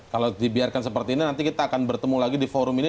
kalau dibiarkan seperti ini nanti kita akan bertemu lagi di forum ini